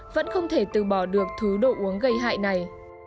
vẫn không thể từ bỏ được thứ đồ uống gây hại này